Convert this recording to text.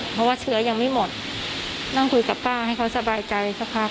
เพราะว่าเชื้อยังไม่หมดนั่งคุยกับป้าให้เขาสบายใจสักพัก